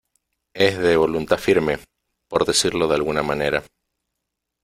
es de voluntad firme . por decirlo de alguna manera .